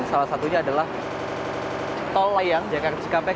salah satunya adalah tol layang jakarta cikampek